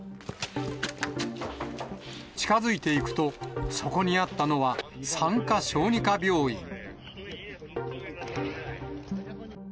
近づいていくと、そこにあったのは、産科・小児科病院。